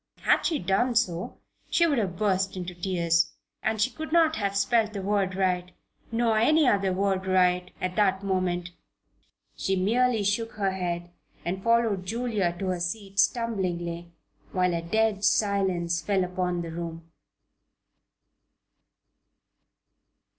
Had she done so she would have burst into tears. And she could not have spelled the word right nor any other word right at that moment. She merely shook her head and followed Julia to her seat, stumblingly, while a dead silence fell upon the room.